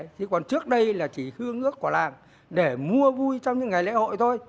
thế còn trước đây là chỉ hương ước của làng để mua vui trong những ngày lễ hội thôi